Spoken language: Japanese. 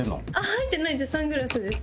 入ってないですサングラスです。